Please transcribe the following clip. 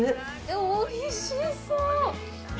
おいしそう！